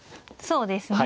そうですね。